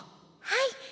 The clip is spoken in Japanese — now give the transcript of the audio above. はい。